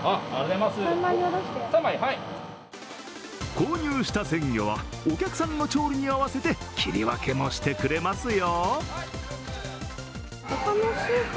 購入した鮮魚は、お客さんの調理に合わせて切り分けもしてくれますよ。